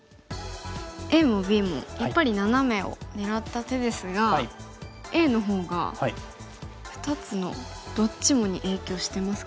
ＡもＢもやっぱりナナメを狙った手ですがＡのほうが２つのどっちもに影響してますか？